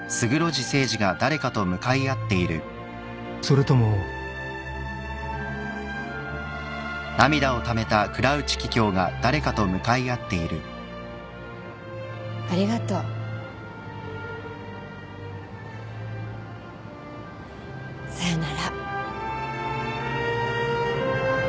［それとも］ありがとう。さよなら。